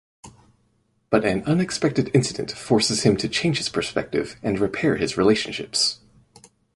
But an unexpected incident forces him to change his perspective and repair his relationships.